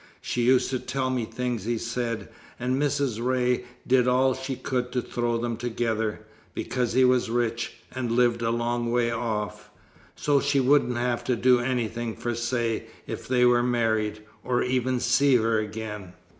"She used to tell me things he said, and Mrs. Ray did all she could to throw them together, because he was rich, and lived a long way off so she wouldn't have to do anything for Say if they were married, or even see her again.